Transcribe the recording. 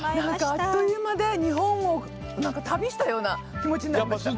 あっという間で日本を旅したような気持ちになりました。